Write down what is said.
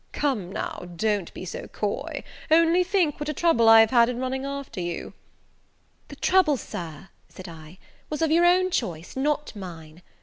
Come, now, don't be so coy; only think what a trouble I have had in running after you!" "The trouble, Sir," said I, "was of your own choice, not mine."